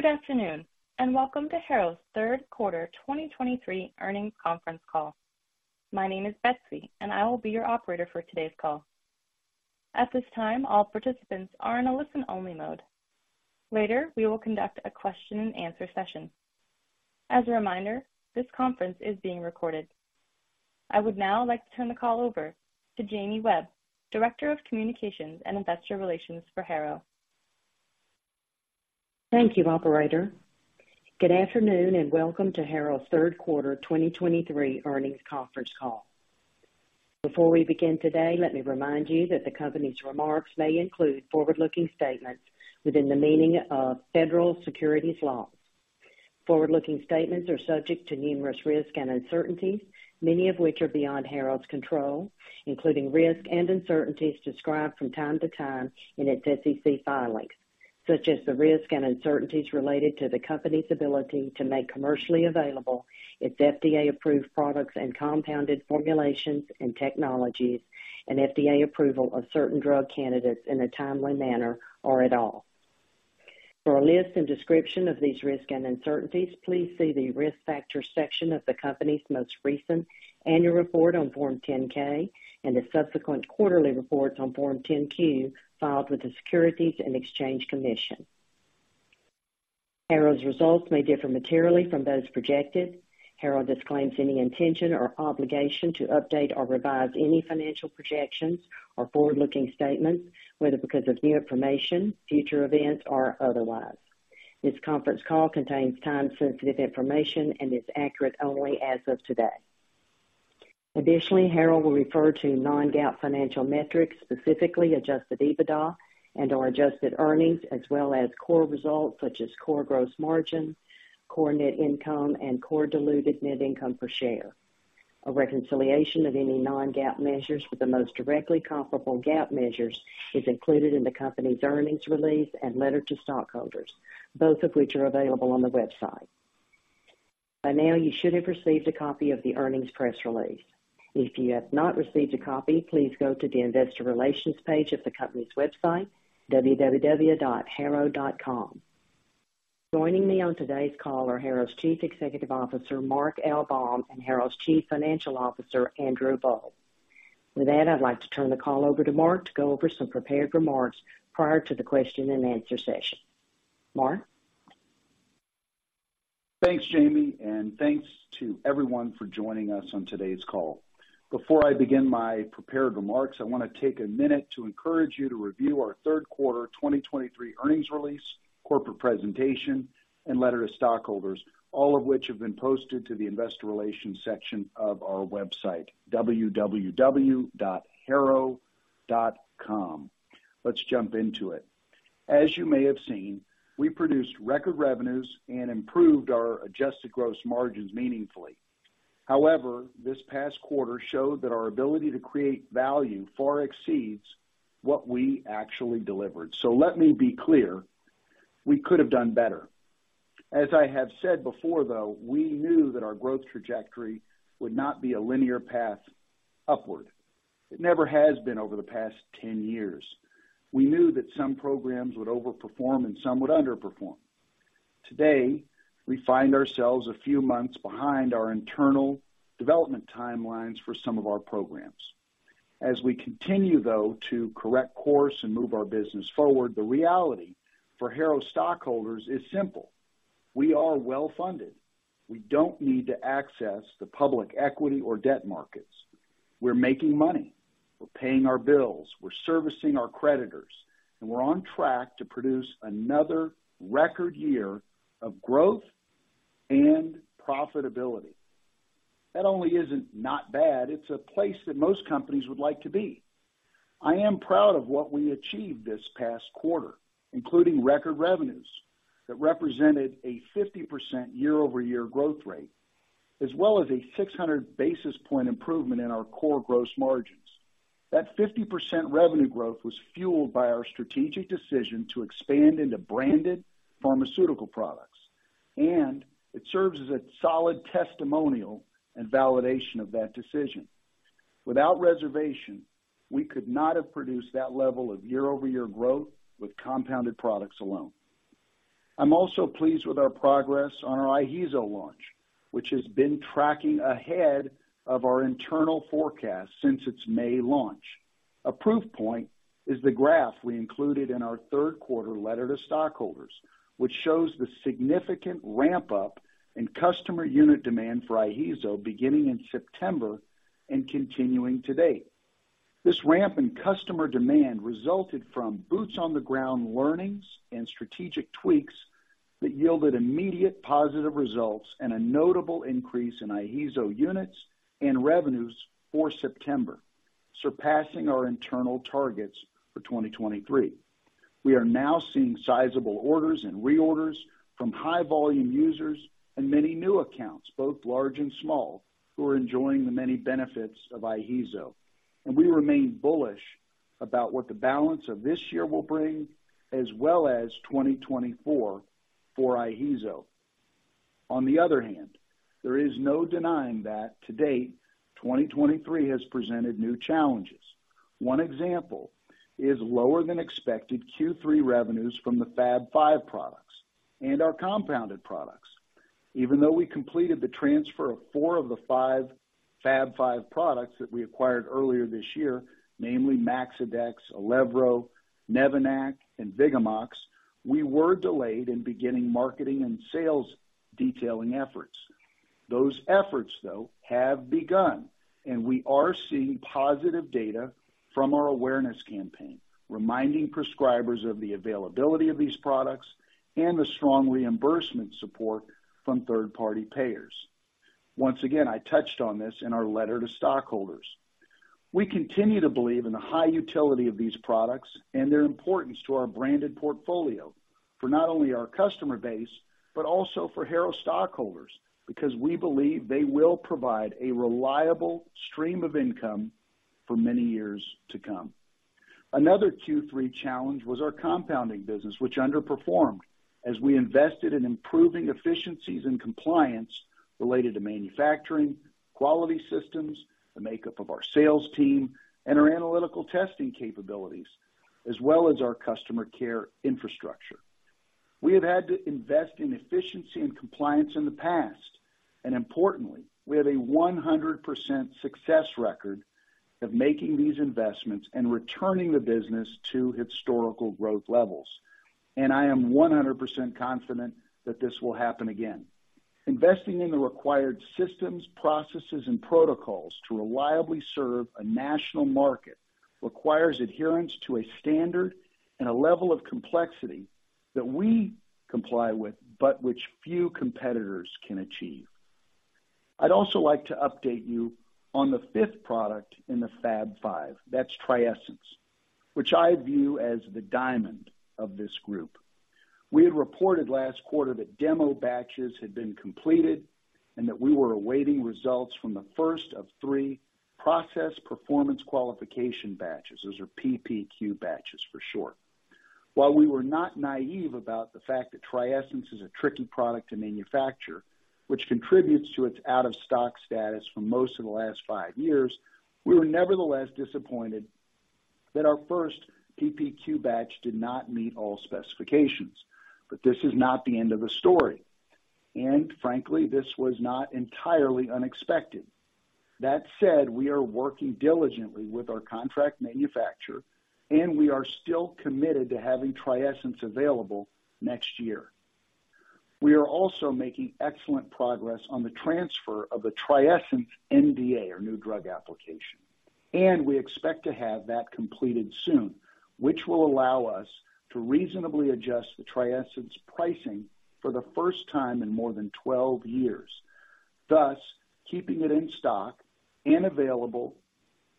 Good afternoon, and welcome to Harrow's third quarter 2023 earnings conference call. My name is Betsy, and I will be your operator for today's call. At this time, all participants are in a listen-only mode. Later, we will conduct a question-and-answer session. As a reminder, this conference is being recorded. I would now like to turn the call over to Jamie Webb, Director of Communications and Investor Relations for Harrow. Thank you, operator. Good afternoon, and welcome to Harrow's third quarter 2023 earnings conference call. Before we begin today, let me remind you that the company's remarks may include forward-looking statements within the meaning of federal securities laws. Forward-looking statements are subject to numerous risks and uncertainties, many of which are beyond Harrow's control, including risks and uncertainties described from time to time in its SEC filings, such as the risks and uncertainties related to the company's ability to make commercially available its FDA-approved products and compounded formulations and technologies and FDA approval of certain drug candidates in a timely manner or at all. For a list and description of these risks and uncertainties, please see the Risk Factors section of the company's most recent Annual Report on Form 10-K and the subsequent quarterly reports on Form 10-Q filed with the Securities and Exchange Commission. Harrow's results may differ materially from those projected. Harrow disclaims any intention or obligation to update or revise any financial projections or forward-looking statements, whether because of new information, future events, or otherwise. This conference call contains time-sensitive information and is accurate only as of today. Additionally, Harrow will refer to non-GAAP financial metrics, specifically adjusted EBITDA and/or adjusted earnings, as well as core results such as core gross margin, core net income, and core diluted net income per share. A reconciliation of any non-GAAP measures with the most directly comparable GAAP measures is included in the company's earnings release and letter to stockholders, both of which are available on the website. By now, you should have received a copy of the earnings press release. If you have not received a copy, please go to the Investor Relations page of the company's website, www.harrow.com. Joining me on today's call are Harrow's Chief Executive Officer, Mark L. Baum, and Harrow's Chief Financial Officer, Andrew Boll. With that, I'd like to turn the call over to Mark to go over some prepared remarks prior to the question-and-answer session. Mark? Thanks, Jamie, and thanks to everyone for joining us on today's call. Before I begin my prepared remarks, I want to take a minute to encourage you to review our third quarter 2023 earnings release, corporate presentation, and letter to stockholders, all of which have been posted to the Investor Relations section of our website, www.harrow.com. Let's jump into it. As you may have seen, we produced record revenues and improved our adjusted gross margins meaningfully. However, this past quarter showed that our ability to create value far exceeds what we actually delivered. So let me be clear, we could have done better. As I have said before, though, we knew that our growth trajectory would not be a linear path upward. It never has been over the past 10 years. We knew that some programs would overperform and some would underperform. Today, we find ourselves a few months behind our internal development timelines for some of our programs. As we continue, though, to correct course and move our business forward, the reality for Harrow stockholders is simple: We are well-funded. We don't need to access the public equity or debt markets. We're making money. We're paying our bills. We're servicing our creditors, and we're on track to produce another record year of growth and profitability. That only is not bad, it's a place that most companies would like to be. I am proud of what we achieved this past quarter, including record revenues that represented a 50% year-over-year growth rate, as well as a 600 basis point improvement in our core gross margins. That 50% revenue growth was fueled by our strategic decision to expand into branded pharmaceutical products, and it serves as a solid testimonial and validation of that decision. Without reservation, we could not have produced that level of year-over-year growth with compounded products alone. I'm also pleased with our progress on our IHEEZO launch, which has been tracking ahead of our internal forecast since its May launch. A proof point is the graph we included in our third quarter letter to stockholders, which shows the significant ramp-up in customer unit demand for IHEEZO beginning in September and continuing today. This ramp in customer demand resulted from boots-on-the-ground learnings and strategic tweaks that yielded immediate positive results and a notable increase in IHEEZO units and revenues for September, surpassing our internal targets for 2023. We are now seeing sizable orders and reorders from high-volume users and many new accounts, both large and small, who are enjoying the many benefits of IHEEZO. And we remain bullish about what the balance of this year will bring, as well as 2024 for IHEEZO. On the other hand, there is no denying that to date, 2023 has presented new challenges. One example is lower than expected Q3 revenues from the Fab Five products and our compounded products. Even though we completed the transfer of four of the five Fab Five products that we acquired earlier this year, namely MAXIDEX, ILEVRO, NEVANAC, and VIGAMOX, we were delayed in beginning marketing and sales detailing efforts. Those efforts, though, have begun, and we are seeing positive data from our awareness campaign, reminding prescribers of the availability of these products and the strong reimbursement support from third-party payers. Once again, I touched on this in our letter to stockholders. We continue to believe in the high utility of these products and their importance to our branded portfolio, for not only our customer base, but also for Harrow stockholders, because we believe they will provide a reliable stream of income for many years to come. Another Q3 challenge was our compounding business, which underperformed as we invested in improving efficiencies and compliance related to manufacturing, quality systems, the makeup of our sales team, and our analytical testing capabilities, as well as our customer care infrastructure. We have had to invest in efficiency and compliance in the past, and importantly, we have a 100% success record of making these investments and returning the business to historical growth levels. And I am 100% confident that this will happen again. Investing in the required systems, processes, and protocols to reliably serve a national market requires adherence to a standard and a level of complexity that we comply with, but which few competitors can achieve. I'd also like to update you on the fifth product in the Fab Five. That's TRIESENCE, which I view as the diamond of this group. We had reported last quarter that demo batches had been completed and that we were awaiting results from the first of three process performance qualification batches. Those are PPQ batches for short. While we were not naive about the fact that TRIESENCE is a tricky product to manufacture, which contributes to its out-of-stock status for most of the last five years, we were nevertheless disappointed that our first PPQ batch did not meet all specifications. This is not the end of the story, and frankly, this was not entirely unexpected. That said, we are working diligently with our contract manufacturer, and we are still committed to having TRIESENCE available next year. We are also making excellent progress on the transfer of the TRIESENCE NDA, or new drug application, and we expect to have that completed soon, which will allow us to reasonably adjust the TRIESENCE pricing for the first time in more than 12 years, thus keeping it in stock and available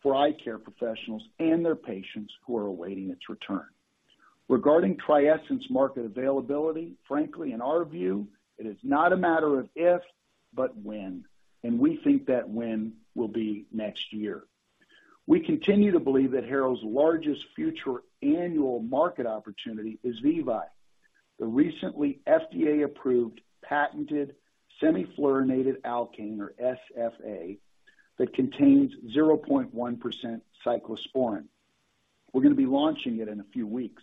for eye care professionals and their patients who are awaiting its return. Regarding TRIESENCE market availability, frankly, in our view, it is not a matter of if, but when, and we think that when will be next year. We continue to believe that Harrow's largest future annual market opportunity is VEVYE, the recently FDA-approved patented semifluorinated alkane, or SFA, that contains 0.1% cyclosporine. We're going to be launching it in a few weeks.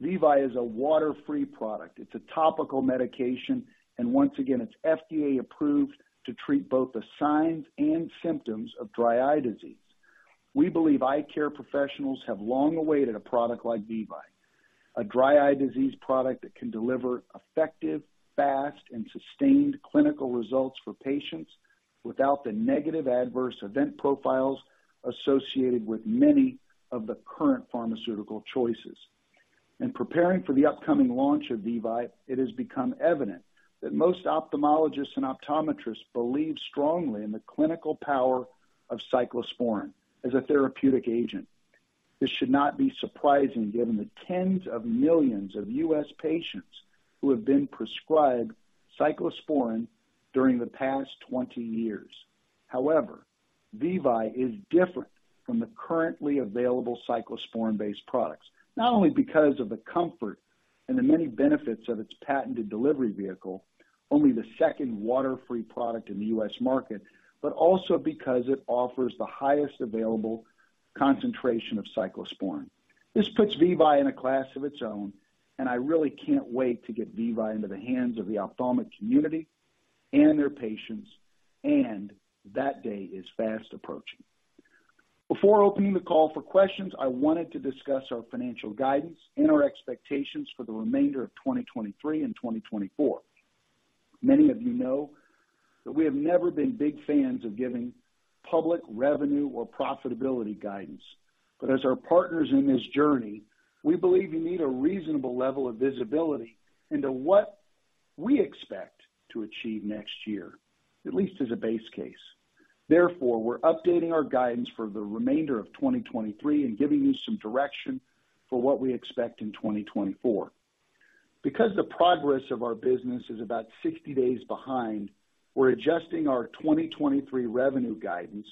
VEVYE is a water-free product. It's a topical medication, and once again, it's FDA-approved to treat both the signs and symptoms of dry eye disease. We believe eye care professionals have long awaited a product like VEVYE, a dry eye disease product that can deliver effective, fast, and sustained clinical results for patients without the negative adverse event profiles associated with many of the current pharmaceutical choices. In preparing for the upcoming launch of VEVYE, it has become evident that most ophthalmologists and optometrists believe strongly in the clinical power of cyclosporine as a therapeutic agent. This should not be surprising, given the tens of millions of U.S. patients who have been prescribed cyclosporine during the past 20 years. However, VEVYE is different from the currently available cyclosporine-based products, not only because of the comfort and the many benefits of its patented delivery vehicle, only the second water-free product in the U.S. market, but also because it offers the highest available concentration of cyclosporine. This puts VEVYE in a class of its own, and I really can't wait to get VEVYE into the hands of the ophthalmic community and their patients, and that day is fast approaching. Before opening the call for questions, I wanted to discuss our financial guidance and our expectations for the remainder of 2023 and 2024. Many of you know that we have never been big fans of giving public revenue or profitability guidance, but as our partners in this journey, we believe you need a reasonable level of visibility into what we expect to achieve next year, at least as a base case. Therefore, we're updating our guidance for the remainder of 2023 and giving you some direction for what we expect in 2024. Because the progress of our business is about 60 days behind, we're adjusting our 2023 revenue guidance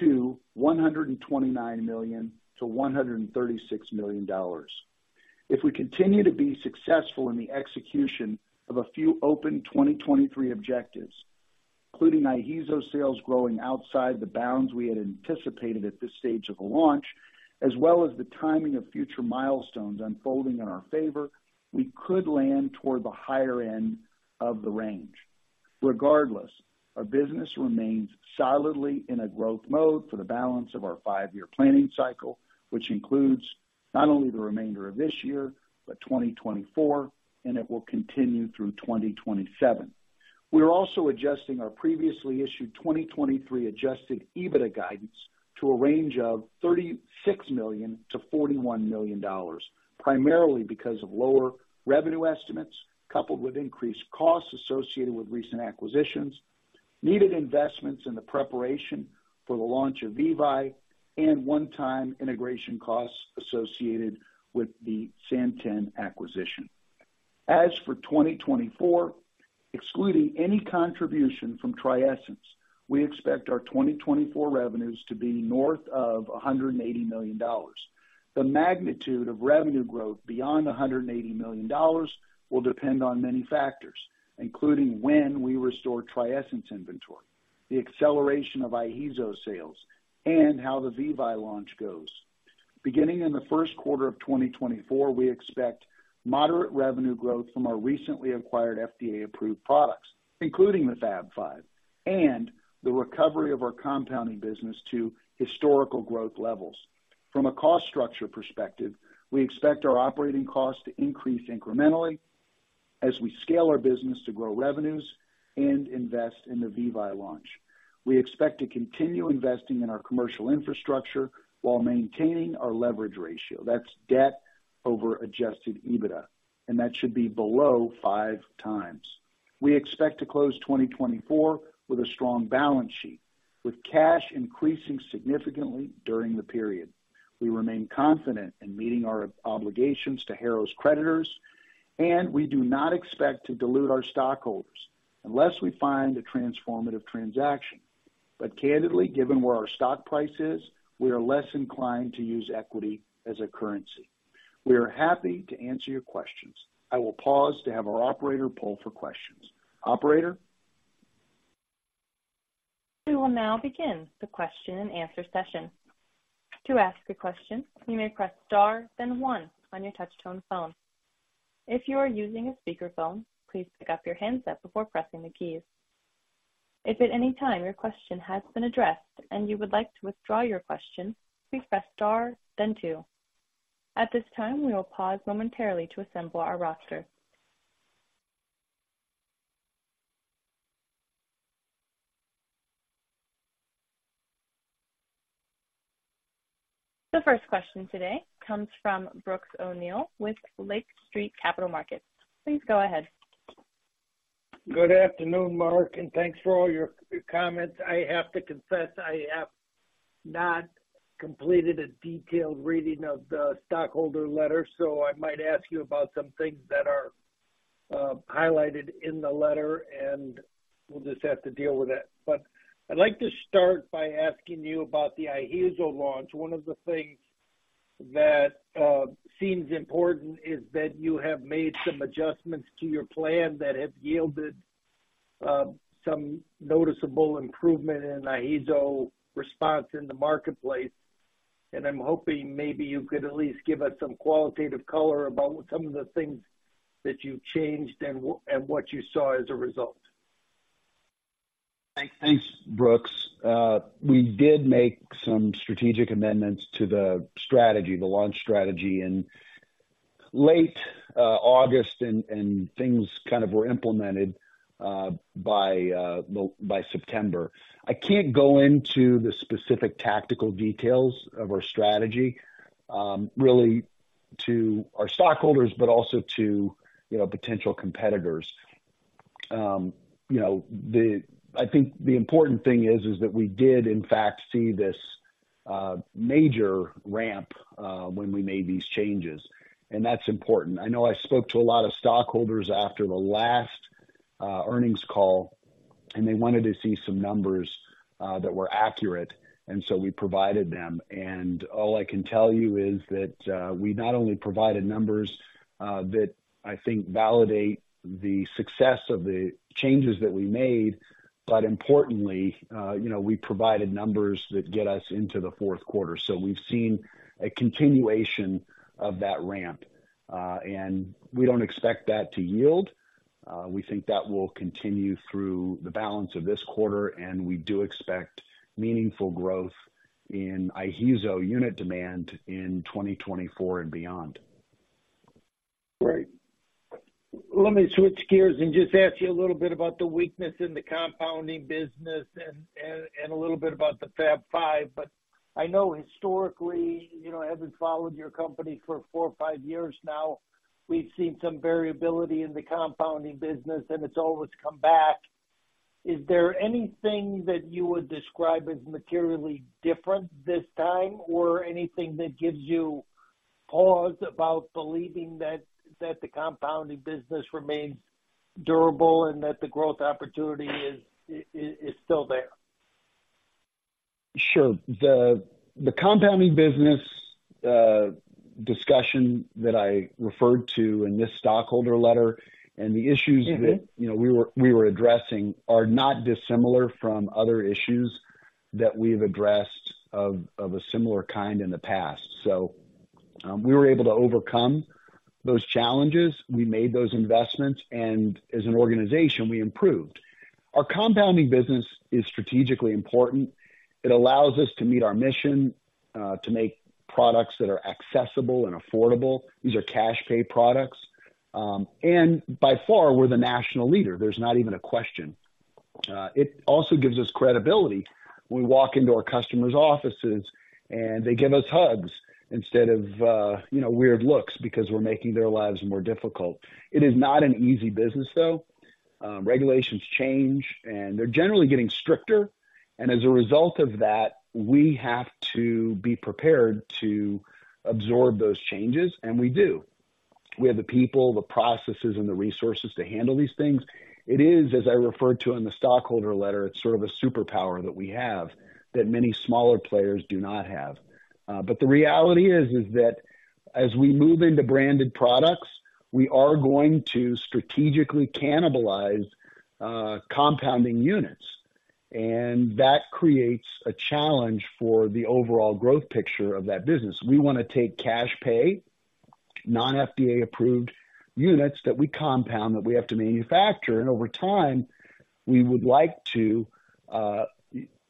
to $129-$136 million. If we continue to be successful in the execution of a few open 2023 objectives, including IHEEZO sales growing outside the bounds we had anticipated at this stage of the launch, as well as the timing of future milestones unfolding in our favor, we could land toward the higher end of the range. Regardless, our business remains solidly in a growth mode for the balance of our five-year planning cycle, which includes not only the remainder of this year, but 2024, and it will continue through 2027. We are also adjusting our previously issued 2023 adjusted EBITDA guidance to a range of $36-$41 million, primarily because of lower revenue estimates, coupled with increased costs associated with recent acquisitions, needed investments in the preparation for the launch of VEVYE, and one-time integration costs associated with the Santen acquisition. As for 2024, excluding any contribution from TRIESENCE, we expect our 2024 revenues to be north of $180 million. The magnitude of revenue growth beyond $180 million will depend on many factors, including when we restore TRIESENCE inventory, the acceleration of IHEEZO sales, and how the VEVYE launch goes. Beginning in the first quarter of 2024, we expect moderate revenue growth from our recently acquired FDA-approved products, including the Fab Five and the recovery of our compounding business to historical growth levels. From a cost structure perspective, we expect our operating costs to increase incrementally as we scale our business to grow revenues and invest in the VEVYE launch. We expect to continue investing in our commercial infrastructure while maintaining our leverage ratio. That's debt over adjusted EBITDA, and that should be below 5x. We expect to close 2024 with a strong balance sheet, with cash increasing significantly during the period. We remain confident in meeting our obligations to Harrow's creditors, and we do not expect to dilute our stockholders unless we find a transformative transaction. But candidly, given where our stock price is, we are less inclined to use equity as a currency. We are happy to answer your questions. I will pause to have our operator pull for questions. Operator? We will now begin the question and answer session. To ask a question, you may press Star, then one on your touchtone phone. If you are using a speakerphone, please pick up your handset before pressing the keys. If at any time your question has been addressed and you would like to withdraw your question, please press star, then two. At this time, we will pause momentarily to assemble our roster. The first question today comes from Brooks O'Neil with Lake Street Capital Markets. Please go ahead. Good afternoon, Mark, and thanks for all your comments. I have to confess, I have not completed a detailed reading of the stockholder letter, so I might ask you about some things that are highlighted in the letter, and we'll just have to deal with it. But I'd like to start by asking you about the IHEEZO launch. One of the things that seems important is that you have made some adjustments to your plan that have yielded some noticeable improvement in IHEEZO response in the marketplace, and I'm hoping maybe you could at least give us some qualitative color about some of the things that you've changed and what you saw as a result. Thanks, Brooks. We did make some strategic amendments to the strategy, the launch strategy in late August, and things kind of were implemented by, well, by September. I can't go into the specific tactical details of our strategy, really to our stockholders, but also to, you know, potential competitors. You know, I think the important thing is that we did in fact see this major ramp when we made these changes, and that's important. I know I spoke to a lot of stockholders after the last earnings call, and they wanted to see some numbers that were accurate, and so we provided them. All I can tell you is that, we not only provided numbers, that I think validate the success of the changes that we made, but importantly, you know, we provided numbers that get us into the fourth quarter. We've seen a continuation of that ramp, and we don't expect that to yield. We think that will continue through the balance of this quarter, and we do expect meaningful growth in IHEEZO unit demand in 2024 and beyond. Great. Let me switch gears and just ask you a little bit about the weakness in the compounding business and a little bit about the Fab Five. But I know historically, you know, I haven't followed your company for four or five years now. We've seen some variability in the compounding business, and it's always come back. Is there anything that you would describe as materially different this time, or anything that gives you pause about believing that the compounding business remains durable and that the growth opportunity is still there? Sure. The compounding business discussion that I referred to in this stockholder letter and the issues that, you know, we were addressing are not dissimilar from other issues that we've addressed of a similar kind in the past. So, we were able to overcome those challenges. We made those investments, and as an organization, we improved. Our compounding business is strategically important. It allows us to meet our mission, to make products that are accessible and affordable. These are cash-pay products. And by far, we're the national leader. There's not even a question. It also gives us credibility when we walk into our customer's offices, and they give us hugs instead of, you know, weird looks because we're making their lives more difficult. It is not an easy business, though. Regulations change, and they're generally getting stricter, and as a result of that, we have to be prepared to absorb those changes, and we do. We have the people, the processes, and the resources to handle these things. It is, as I referred to in the stockholder letter, it's sort of a superpower that we have that many smaller players do not have. But the reality is that as we move into branded products, we are going to strategically cannibalize compounding units, and that creates a challenge for the overall growth picture of that business. We wanna take cash pay, non-FDA-approved units that we compound, that we have to manufacture, and over time, we would like to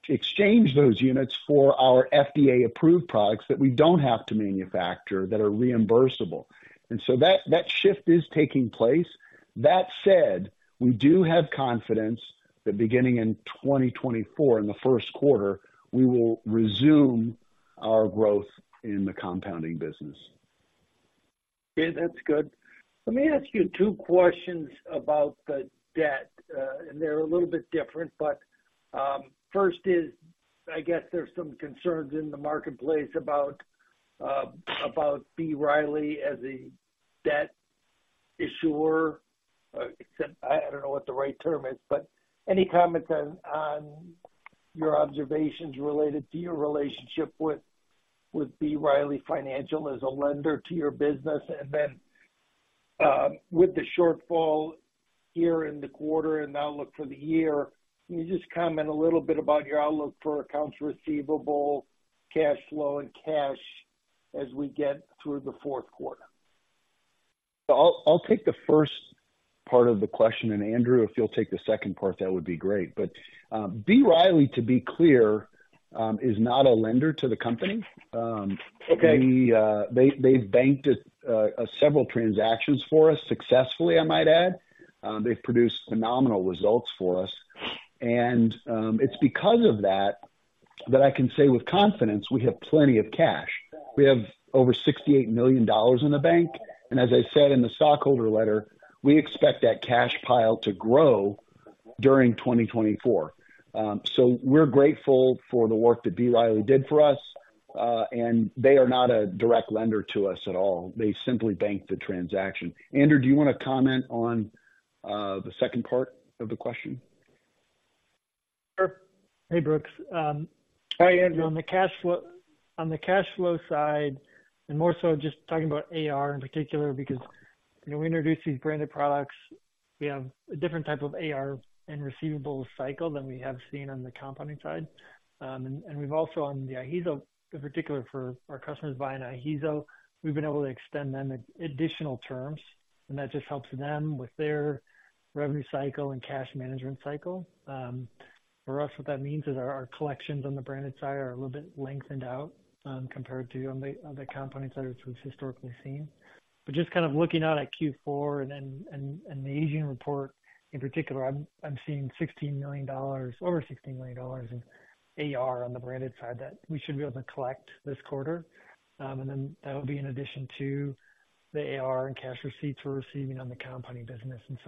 exchange those units for our FDA-approved products that we don't have to manufacture, that are reimbursable. And so that shift is taking place. That said, we do have confidence that beginning in 2024, in the first quarter, we will resume our growth in the compounding business. Okay, that's good. Let me ask you two questions about the debt. And they're a little bit different, but first is, I guess there's some concerns in the marketplace about about B. Riley as a debt issuer, except I, I don't know what the right term is, but any comments on on your observations related to your relationship with with B. Riley Financial as a lender to your business? And then, with the shortfall here in the quarter and outlook for the year, can you just comment a little bit about your outlook for accounts receivable, cash flow, and cash as we get through the fourth quarter? I'll take the first part of the question, and Andrew, if you'll take the second part, that would be great. But, B. Riley, to be clear, is not a lender to the company. Okay. They've banked several transactions for us successfully, I might add. They've produced phenomenal results for us. It's because of that that I can say with confidence we have plenty of cash. We have over $68 million in the bank, and as I said in the stockholder letter, we expect that cash pile to grow during 2024. We're grateful for the work that B. Riley did for us, and they are not a direct lender to us at all. They simply bank the transaction. Andrew, do you want to comment on the second part of the question? Sure. Hey, Brooks. Hi, Andrew. On the cash flow, on the cash flow side, and more so just talking about AR in particular, because, you know, we introduced these branded products, we have a different type of AR and receivables cycle than we have seen on the compounding side. And we've also, on the IHEEZO, in particular for our customers buying IHEEZO, we've been able to extend them a additional terms, and that just helps them with their revenue cycle and cash management cycle. For us, what that means is our collections on the branded side are a little bit lengthened out, compared to on the compounding side, it's historically seen. But just kind of looking out at Q4 and then the aging report in particular, I'm seeing $16 million, over $16 million in AR on the branded side that we should be able to collect this quarter. And then that'll be in addition to the AR and cash receipts we're receiving on the compounding business. And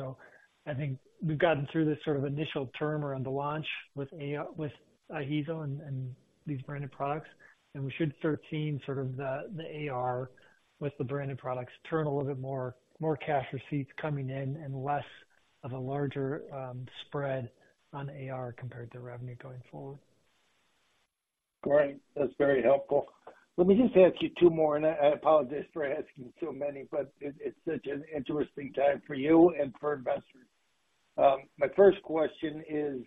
so I think we've gotten through this sort of initial term around the launch with IHEEZO and these branded products, and we should start seeing sort of the AR with the branded products turn a little bit more cash receipts coming in and less of a larger spread on AR compared to revenue going forward. Great. That's very helpful. Let me just ask you two more, and I, I apologize for asking so many, but it, it's such an interesting time for you and for investors. My first question is: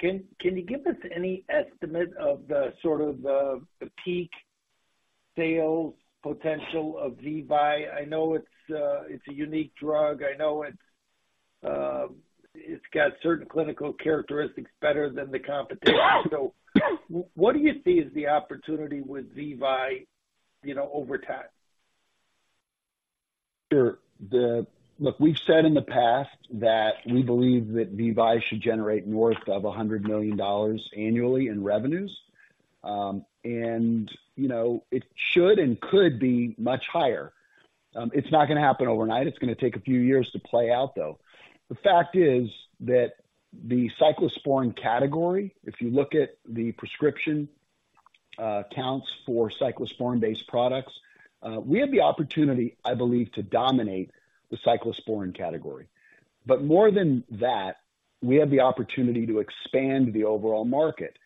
Can you give us any estimate of the peak sales potential of VEVYE? I know it's a unique drug. I know it's got certain clinical characteristics better than the competition. So what do you see is the opportunity with VEVYE, you know, over time? Sure. Look, we've said in the past that we believe that VEVYE should generate north of $100 million annually in revenues. And, you know, it should and could be much higher. It's not gonna happen overnight. It's gonna take a few years to play out, though. The fact is that the cyclosporine category, if you look at the prescription counts for cyclosporine-based products, we have the opportunity, I believe, to dominate the cyclosporine category. But more than that, we have the opportunity to expand the overall market.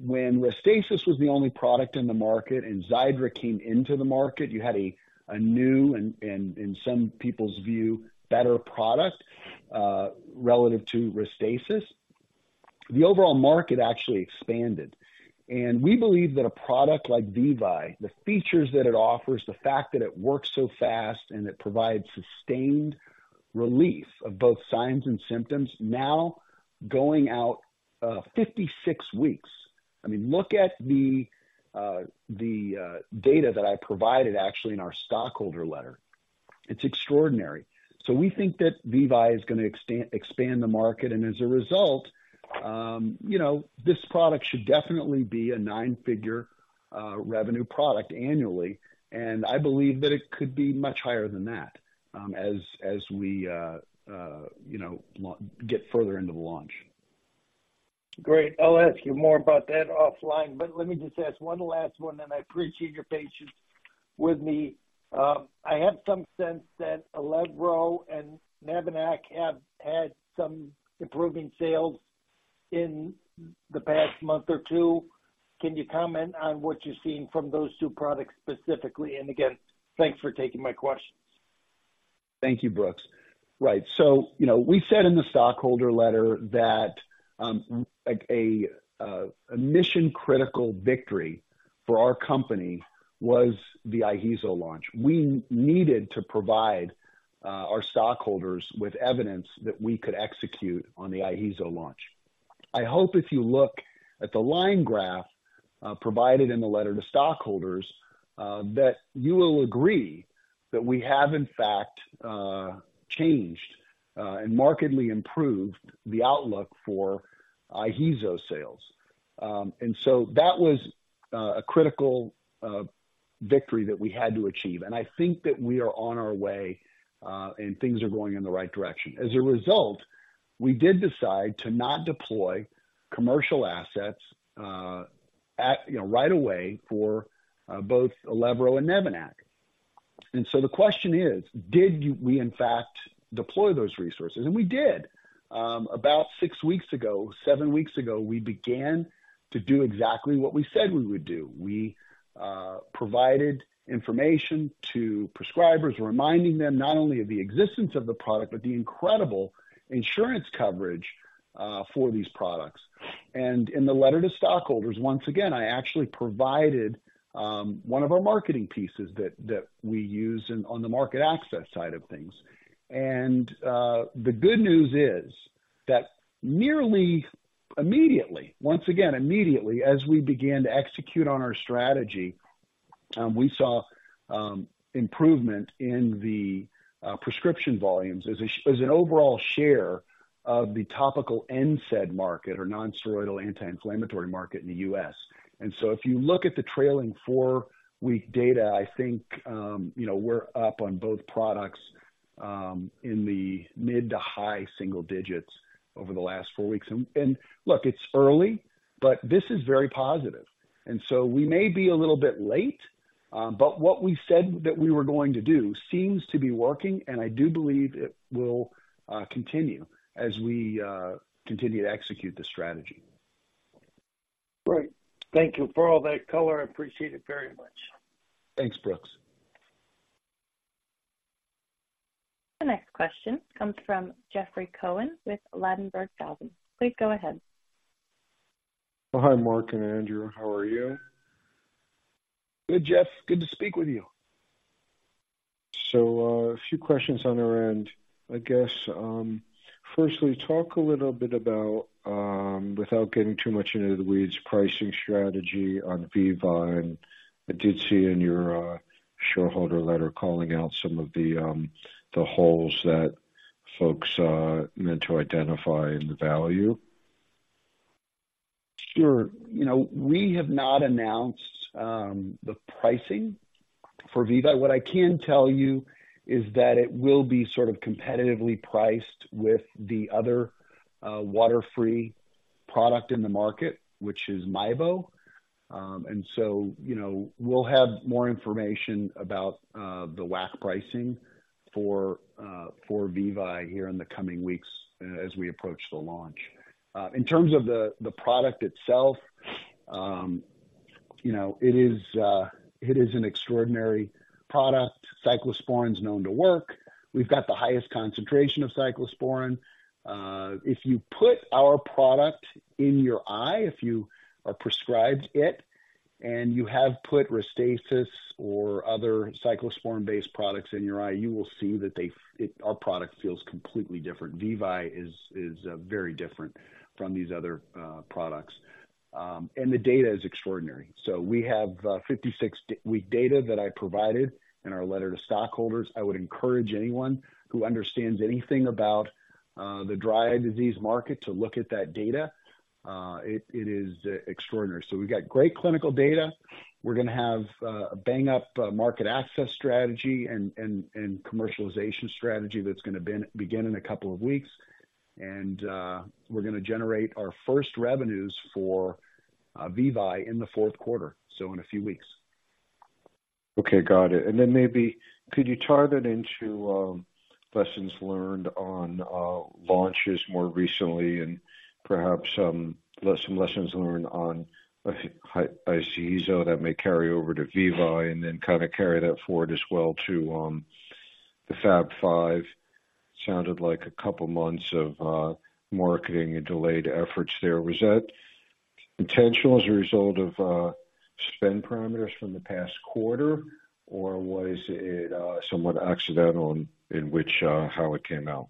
When Restasis was the only product in the market and Xiidra came into the market, you had a new and, in some people's view, better product relative to Restasis. The overall market actually expanded. We believe that a product like VEVYE, the features that it offers, the fact that it works so fast and it provides sustained relief of both signs and symptoms, now going out, 56 weeks. I mean, look at the data that I provided actually in our stockholder letter. It's extraordinary. So we think that VEVYE is gonna expand the market, and as a result, you know, this product should definitely be a nine-figure revenue product annually, and I believe that it could be much higher than that, as we you know, get further into the launch. Great. I'll ask you more about that offline, but let me just ask one last one, and I appreciate your patience with me. I have some sense that ILEVRO and NEVANAC have had some improving sales in the past month or two. Can you comment on what you're seeing from those two products specifically? And again, thanks for taking my questions. Thank you, Brooks. Right. So, you know, we said in the stockholder letter that, like, a mission-critical victory for our company was the IHEEZO launch. We needed to provide our stockholders with evidence that we could execute on the IHEEZO launch. I hope if you look at the line graph provided in the letter to stockholders that you will agree that we have, in fact, changed and markedly improved the outlook for IHEEZO sales. And so that was a critical victory that we had to achieve, and I think that we are on our way and things are going in the right direction. As a result, we did decide to not deploy commercial assets at, you know, right away for both ILEVRO and NEVANAC. So the question is, did we, in fact, deploy those resources? We did. About six weeks ago, seven weeks ago, we began to do exactly what we said we would do. We provided information to prescribers, reminding them not only of the existence of the product, but the incredible insurance coverage for these products. In the letter to stockholders, once again, I actually provided one of our marketing pieces that we use in, on the market access side of things. The good news is that nearly immediately, once again, immediately, as we began to execute on our strategy, we saw improvement in the prescription volumes as an overall share of the topical NSAID market or non-steroidal anti-inflammatory market in the U.S. And so if you look at the trailing four-week data, I think, you know, we're up on both products, in the mid to high single digits over the last four weeks. And look, it's early, but this is very positive. And so we may be a little bit late, but what we said that we were going to do seems to be working, and I do believe it will continue as we continue to execute the strategy. Great. Thank you for all that color. I appreciate it very much. Thanks, Brooks. The next question comes from Jeffrey Cohen with Ladenburg Thalmann. Please go ahead. Hi, Mark and Andrew, how are you? Good, Jeff. Good to speak with you. So, a few questions on our end, I guess. Firstly, talk a little bit about, without getting too much into the weeds, pricing strategy on VEVYE. I did see in your shareholder letter calling out some of the holes that folks meant to identify in the value. Sure. You know, we have not announced the pricing for VEVYE. What I can tell you is that it will be sort of competitively priced with the other water-free product in the market, which is MIEBO. And so, you know, we'll have more information about the WAC pricing for VEVYE here in the coming weeks as we approach the launch. In terms of the product itself, you know, it is an extraordinary product. Cyclosporine is known to work. We've got the highest concentration of cyclosporine. If you put our product in your eye, if you are prescribed it, and you have put Restasis or other cyclosporine-based products in your eye, you will see that they, it... our product feels completely different. VEVYE is very different from these other products. And the data is extraordinary. So we have 56-week data that I provided in our letter to stockholders. I would encourage anyone who understands anything about the dry eye disease market to look at that data. It is extraordinary. So we've got great clinical data. We're gonna have a bang-up market access strategy and commercialization strategy that's gonna begin in a couple of weeks. And we're gonna generate our first revenues for VEVYE in the fourth quarter, so in a few weeks. Okay, got it. And then maybe could you tie that into lessons learned on launches more recently and perhaps some lessons learned on IHEEZO that may carry over to VEVYE and then kind of carry that forward as well to the Fab Five? Sounded like a couple months of marketing and delayed efforts there. Was that intentional as a result of spend parameters from the past quarter, or was it somewhat accidental in which how it came out?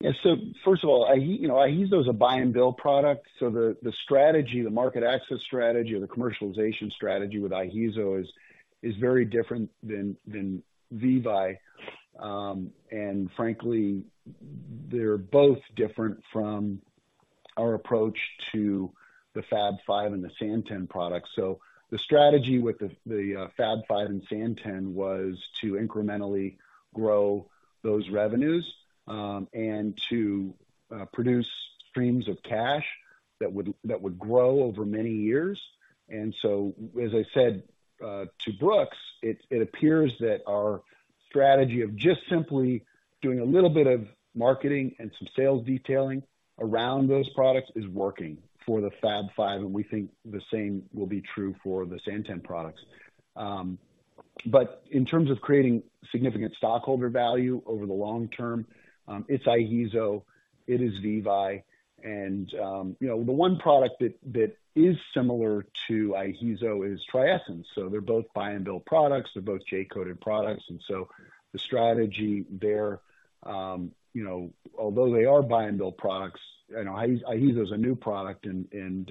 Yeah. So first of all, IHEEZO, you know, IHEEZO is a Buy and Bill product. So the strategy, the market access strategy or the commercialization strategy with IHEEZO is very different than VEVYE. And frankly, they're both different from our approach to the Fab Five and the Santen products. So the strategy with the Fab Five and Santen was to incrementally grow those revenues and to produce streams of cash that would grow over many years. And so, as I said to Brooks, it appears that our strategy of just simply doing a little bit of marketing and some sales detailing around those products is working for the Fab Five, and we think the same will be true for the Santen products. But in terms of creating significant stockholder value over the long term, it's IHEEZO, it is VEVYE. And, you know, the one product that is similar to IHEEZO is TRIESENCE. So they're both buy and bill products. They're both J-coded products, and so the strategy there, you know, although they are buy and bill products, you know, IHEEZO is a new product and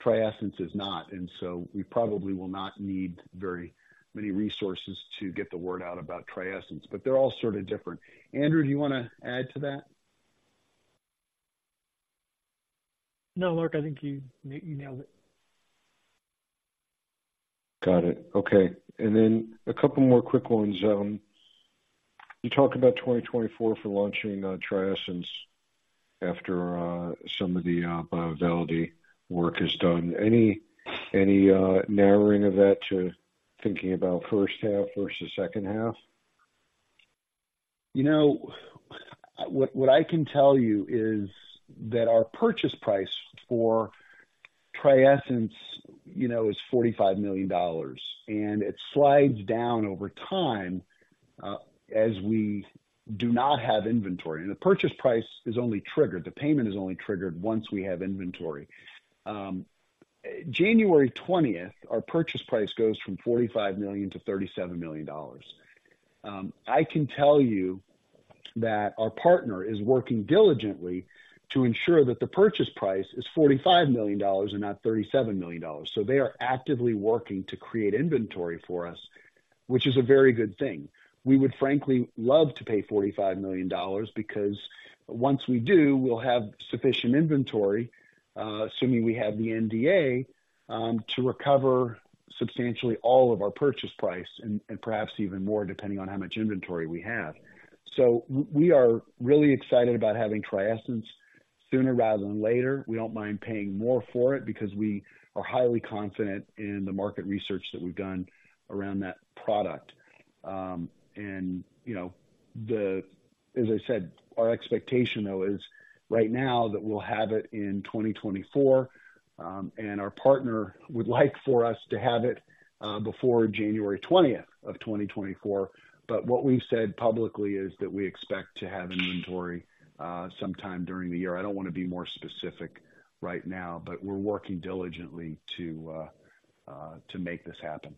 TRIESENCE is not. And so we probably will not need very many resources to get the word out about TRIESENCE, but they're all sort of different. Andrew, do you wanna add to that? No, Mark, I think you nailed it. Got it. Okay. And then a couple more quick ones. You talk about 2024 for launching TRIESENCE after some of the bioavailability work is done. Any narrowing of that to thinking about first half versus second half? You know, what I can tell you is that our purchase price for TRIESENCE, you know, is $45 million, and it slides down over time, as we do not have inventory. And the purchase price is only triggered, the payment is only triggered once we have inventory. January twentieth, our purchase price goes from $45-$37 million. I can tell you that our partner is working diligently to ensure that the purchase price is $45 million and not $37 million. So they are actively working to create inventory for us, which is a very good thing. We would frankly love to pay $45 million because once we do, we'll have sufficient inventory, assuming we have the NDA, to recover substantially all of our purchase price and, and perhaps even more, depending on how much inventory we have. So we are really excited about having TRIESENCE sooner rather than later. We don't mind paying more for it because we are highly confident in the market research that we've done around that product. As I said, our expectation, though, is right now that we'll have it in 2024, and our partner would like for us to have it before January 20th of 2024. But what we've said publicly is that we expect to have inventory sometime during the year. I don't wanna be more specific right now, but we're working diligently to make this happen.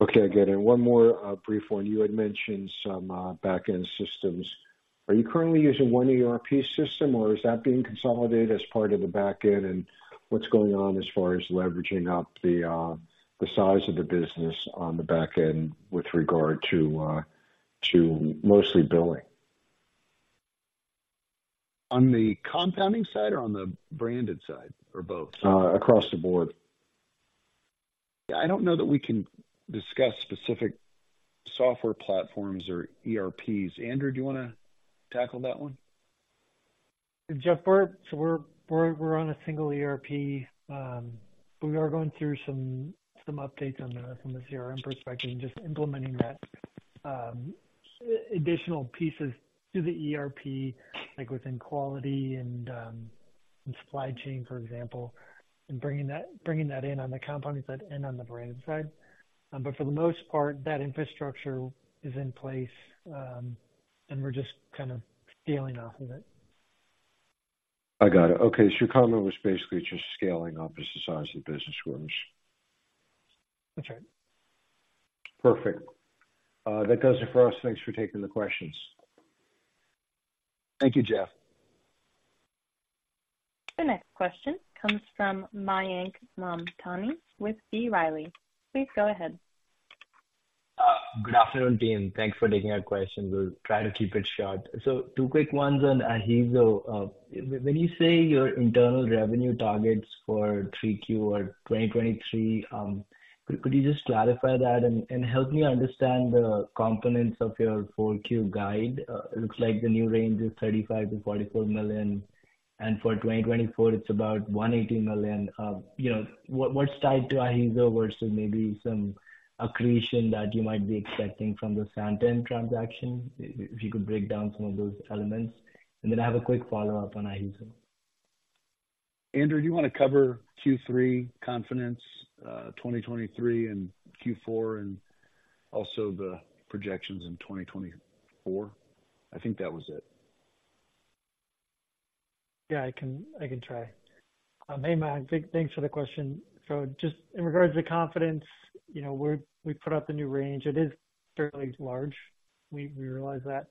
Okay, good. And one more, brief one. You had mentioned some, back-end systems. Are you currently using one ERP system, or is that being consolidated as part of the back end? And what's going on as far as leveraging up the, the size of the business on the back end with regard to, to mostly billing? On the compounding side or on the branded side, or both? Across the board. I don't know that we can discuss specific software platforms or ERPs. Andrew, do you wanna tackle that one? Jeff, so we're on a single ERP. But we are going through some updates from the CRM perspective and just implementing that additional pieces to the ERP, like within quality and supply chain, for example, and bringing that in on the compounding side and on the branded side. But for the most part, that infrastructure is in place, and we're just kind of scaling off of it. I got it. Okay. So your comment was basically just scaling up as the size of the business grows. That's right. Perfect. That does it for us. Thanks for taking the questions. Thank you, Jeff. The next question comes from Mayank Mamtani with B. Riley. Please go ahead. Good afternoon, team. Thanks for taking our questions. We'll try to keep it short. So two quick ones on IHEEZO. When you say your internal revenue targets for 3Q 2023, could you just clarify that and help me understand the components of your 4Q guide? It looks like the new range is $35-$44 million. And for 2024, it's about $180 million. You know, what's tied to IHEEZO versus maybe some accretion that you might be expecting from the Santen transaction? If you could break down some of those elements. And then I have a quick follow-up on IHEEZO. Andrew, do you want to cover Q3 confidence, 2023 and Q4, and also the projections in 2024? I think that was it. Yeah, I can, I can try. Hey, Mayank, thanks, thanks for the question. So just in regards to confidence, you know, we put out the new range. It is certainly large. We, we realize that.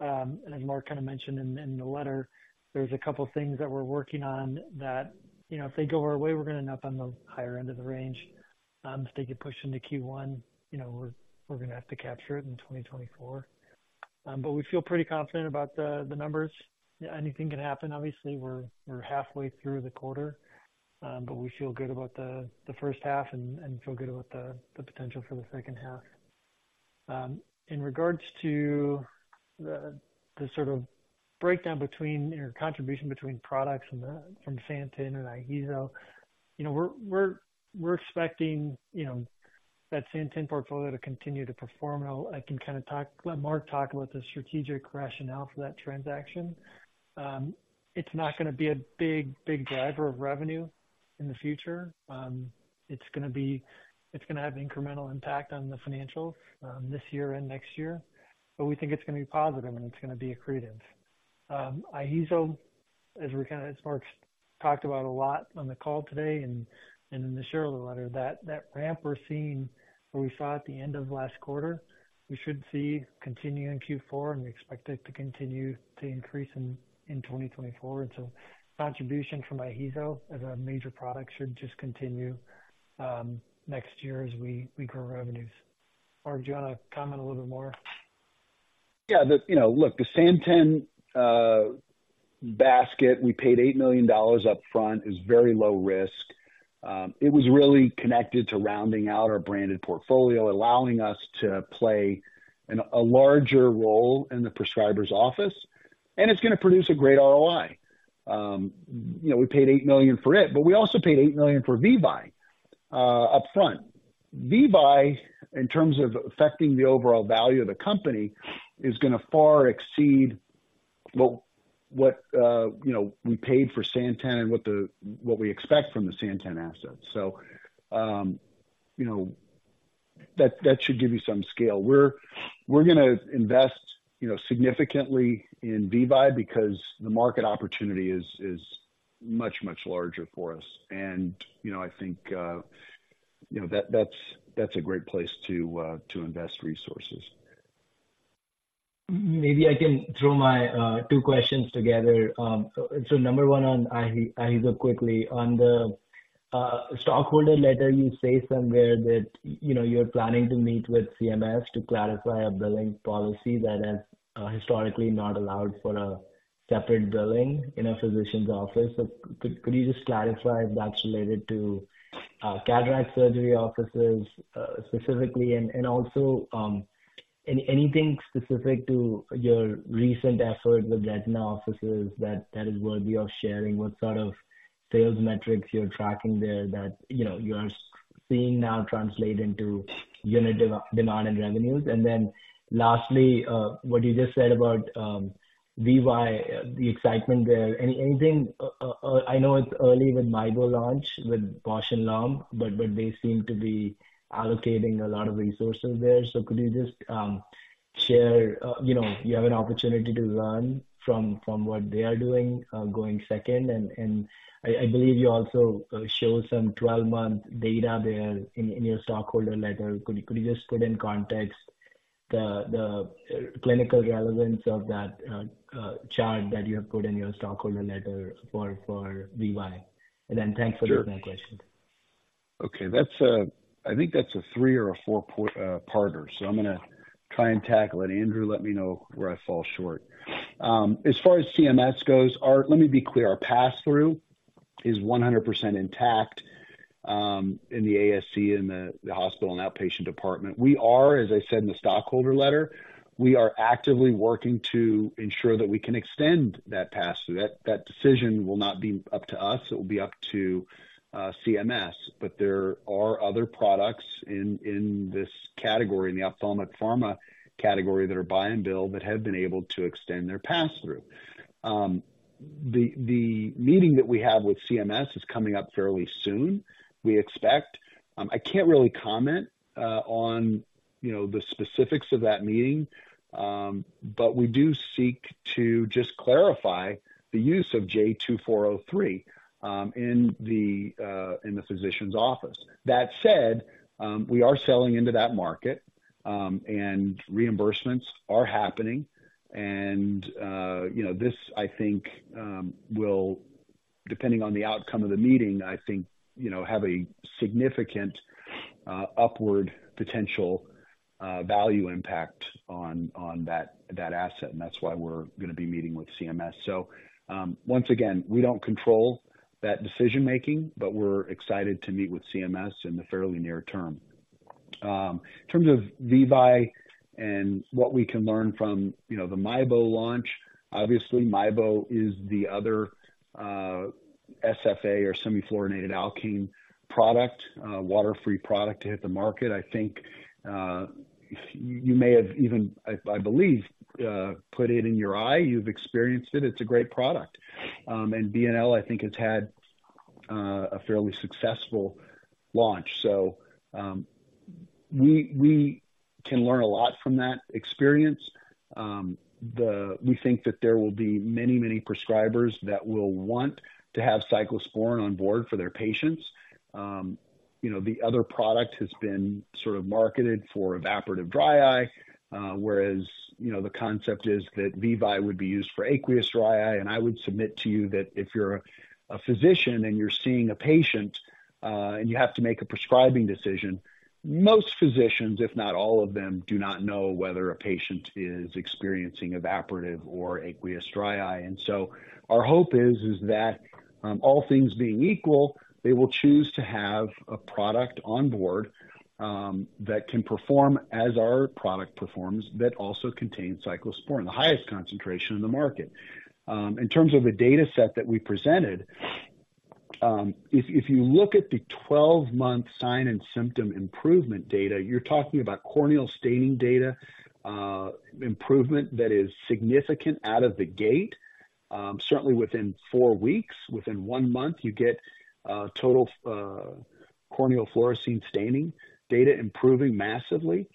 And as Mark kind of mentioned in the letter, there's a couple things that we're working on that, you know, if they go our way, we're going to end up on the higher end of the range. If they get pushed into Q1, you know, we're, we're going to have to capture it in 2024. But we feel pretty confident about the numbers. Anything can happen, obviously, we're halfway through the quarter. But we feel good about the first half and feel good about the potential for the second half. In regards to the sort of breakdown between your contribution between products from Santen and IHEEZO, you know, we're expecting, you know, that Santen portfolio to continue to perform well. I can kind of talk, let Mark talk about the strategic rationale for that transaction. It's not going to be a big, big driver of revenue in the future. It's going to have incremental impact on the financials, this year and next year, but we think it's going to be positive and it's going to be accretive. IHEEZO, as we kind of, as Mark's talked about a lot on the call today and in the shareholder letter, that ramp we're seeing, what we saw at the end of last quarter, we should see continue in Q4, and we expect it to continue to increase in 2024. And so contribution from IHEEZO as a major product should just continue next year as we grow revenues. Mark, do you want to comment a little bit more? Yeah, the, you know, look, the Santen basket, we paid $8 million upfront, is very low risk. It was really connected to rounding out our branded portfolio, allowing us to play a larger role in the prescriber's office, and it's going to produce a great ROI. You know, we paid $8 million for it, but we also paid $8 million for VEVYE upfront. VEVYE, in terms of affecting the overall value of the company, is going to far exceed what you know, we paid for Santen and what we expect from the Santen asset. So, you know, that should give you some scale. We're gonna invest, you know, significantly in VEVYE because the market opportunity is much, much larger for us. And, you know, I think you know that that's a great place to invest resources. Maybe I can throw my two questions together. So number one on IHEEZO quickly. On the stockholder letter, you say somewhere that, you know, you're planning to meet with CMS to clarify a billing policy that has historically not allowed for a separate billing in a physician's office. So could you just clarify if that's related to cataract surgery offices specifically? And also, anything specific to your recent efforts with retina offices that is worthy of sharing? What sort of sales metrics you're tracking there that, you know, you are seeing now translate into unit demand and revenues? And then lastly, what you just said about VEVYE, the excitement there. I know it's early with MIEBO launch with Bausch + Lomb, but they seem to be allocating a lot of resources there. So could you just share, you know, you have an opportunity to learn from what they are doing, going second, and I believe you also show some 12-month data there in your stockholder letter. Could you just put in context the clinical relevance of that chart that you have put in your stockholder letter for VEVYE? And then thanks for those questions. Sure. Okay, that's a three or a four-part parter, so I'm going to try and tackle it. Andrew, let me know where I fall short. As far as CMS goes, our passthrough is 100% intact in the ASC, in the hospital and outpatient department. We are, as I said in the stockholder letter, we are actively working to ensure that we can extend that passthrough. That decision will not be up to us, it will be up to CMS. But there are other products in this category, in the ophthalmic pharma category, that are buy and bill, that have been able to extend their passthrough. The meeting that we have with CMS is coming up fairly soon, we expect. I can't really comment on, you know, the specifics of that meeting, but we do seek to just clarify the use of J2403 in the physician's office. That said, we are selling into that market, and reimbursements are happening and, you know, this, I think, will, depending on the outcome of the meeting, I think, you know, have a significant, upward potential, value impact on, on that, that asset, and that's why we're going to be meeting with CMS. So, once again, we don't control that decision-making, but we're excited to meet with CMS in the fairly near term. In terms of VEVYE and what we can learn from, you know, the MIEBO launch, obviously MIEBO is the other, SFA or semifluorinated alkane product, water-free product to hit the market. I think, you may have even, I believe, put it in your eye. You've experienced it. It's a great product. And Bausch + Lomb, I think, has had, a fairly successful launch. So, we can learn a lot from that experience. We think that there will be many, many prescribers that will want to have cyclosporine on board for their patients. You know, the other product has been sort of marketed for evaporative dry eye, whereas, you know, the concept is that VEVYE would be used for aqueous dry eye. I would submit to you that if you're a physician and you're seeing a patient, and you have to make a prescribing decision, most physicians, if not all of them, do not know whether a patient is experiencing evaporative or aqueous dry eye. So our hope is that, all things being equal, they will choose to have a product on board, that can perform as our product performs, that also contains Cyclosporine, the highest concentration in the market. In terms of the data set that we presented, if you look at the 12-month sign and symptom improvement data, you're talking about corneal staining data, improvement that is significant out of the gate. Certainly within four weeks, within one month, you get total corneal fluorescein staining data improving massively,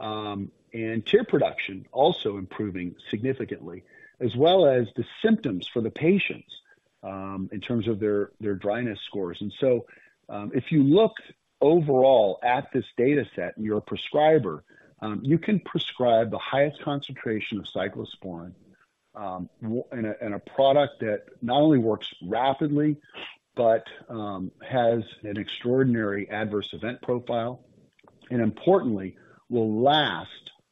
and tear production also improving significantly, as well as the symptoms for the patients, in terms of their dryness scores. So, if you look overall at this data set and you're a prescriber, you can prescribe the highest concentration of cyclosporine in a product that not only works rapidly, but has an extraordinary adverse event profile and importantly, will last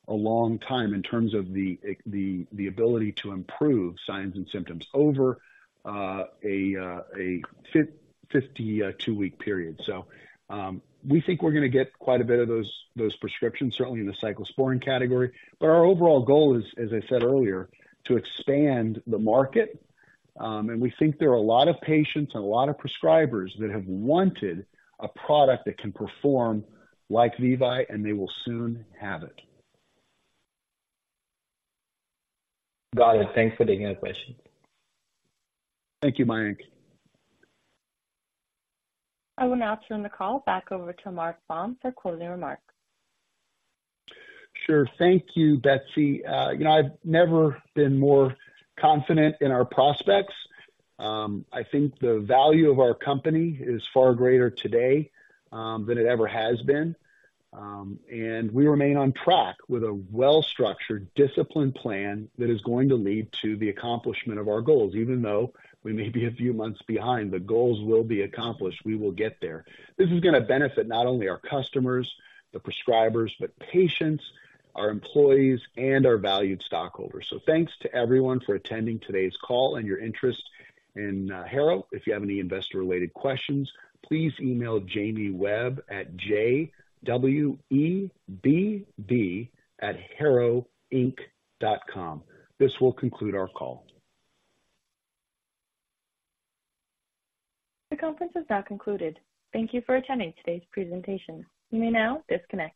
a long time in terms of the ability to improve signs and symptoms over a 52-week period. So, we think we're gonna get quite a bit of those prescriptions, certainly in the cyclosporine category. But our overall goal is, as I said earlier, to expand the market. We think there are a lot of patients and a lot of prescribers that have wanted a product that can perform like VEVYE, and they will soon have it. Got it. Thanks for taking the question. Thank you, Mayank. I will now turn the call back over to Mark Baum for closing remarks. Sure. Thank you, Betsy. You know, I've never been more confident in our prospects. I think the value of our company is far greater today than it ever has been. And we remain on track with a well-structured, disciplined plan that is going to lead to the accomplishment of our goals. Even though we may be a few months behind, the goals will be accomplished. We will get there. This is gonna benefit not only our customers, the prescribers, but patients, our employees, and our valued stockholders. So thanks to everyone for attending today's call and your interest in Harrow. If you have any investor-related questions, please email Jamie Webb at jwebb@harrowinc.com. This will conclude our call. The conference is now concluded. Thank you for attending today's presentation. You may now disconnect.